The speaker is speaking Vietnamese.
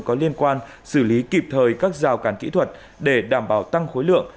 có liên quan xử lý kịp thời các rào càn kỹ thuật để đảm bảo tăng khối lượng